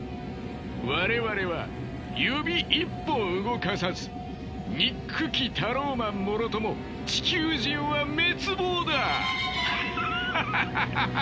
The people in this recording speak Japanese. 我々は指一本動かさず憎きタローマンもろとも地球人は滅亡だ！ハハハハハハ！